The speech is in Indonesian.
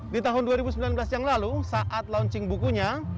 di tahun dua ribu sembilan belas yang lalu saat launching bukunya